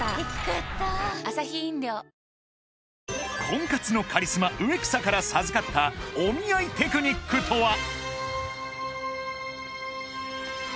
婚活のカリスマ植草から授かったお見合いテクニックとは？